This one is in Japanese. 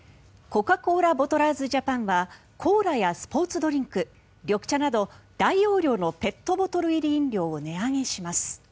コカ・コーラボトラーズジャパンはコーラやスポーツドリンク緑茶など大容量のペットボトル入り飲料を値上げします。